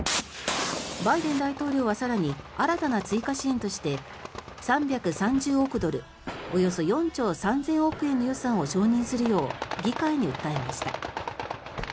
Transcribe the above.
バイデン大統領は、更に新たな追加支援として３３０億ドルおよそ４兆３０００億円の予算を承認するよう議会に訴えました。